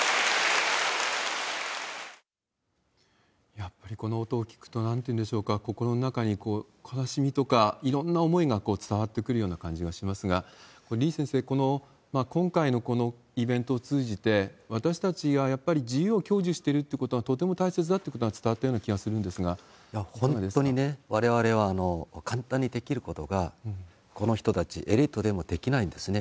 やっぱりこの音を聴くと、なんていうんでしょうか、心の中に悲しみとか、いろんな思いが伝わってくるような感じがしますが、李先生、この今回のこのイベントを通じて、私たちが、やっぱり自由を享受してるってことはとても大切だってことは伝わ本当にね、われわれは簡単にできることが、この人たち、エリートでもできないんですね。